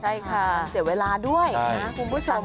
ใช่ค่ะมันเสียเวลาด้วยนะคุณผู้ชม